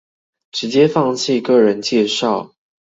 直接放棄個人介紹